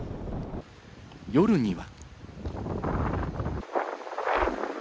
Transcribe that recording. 夜には。